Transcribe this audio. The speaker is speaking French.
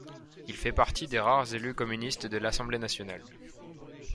Il fait partie des rares élus communistes de l'Assemblée nationale.